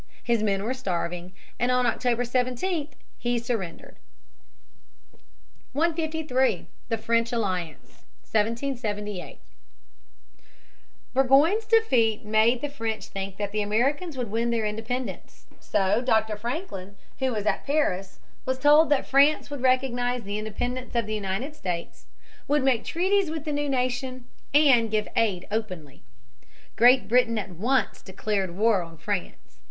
His men were starving, and on October 17 he surrendered. [Sidenote: The Treaty of Alliance, 1778.] 153. The French Alliance, 1778. Burgoyne's defeat made the French think that the Americans would win their independence. So Dr. Franklin, who was at Paris, was told that France would recognize the independence of the United States, would make treaties with the new nation, and give aid openly. Great Britain at once declared war on France.